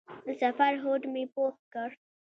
د سفر هوډ مې پوخ کړ.